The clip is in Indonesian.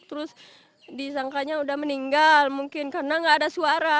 terus disangkanya udah meninggal mungkin karena nggak ada suara